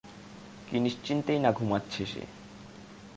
কী নিশ্চিন্তেই না ঘুমাচ্ছে সে!